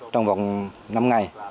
trong vòng năm ngày